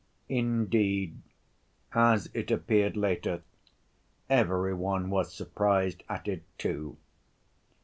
Indeed, as it appeared later, every one was surprised at it, too.